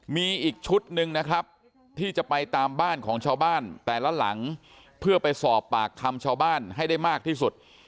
มีอีกชุดหนึ่งนะครับที่จะไปตามบ้านของชาวบ้านแต่ละหลังเพื่อไปสอบปากคำชาวบ้านให้ได้มากที่สุด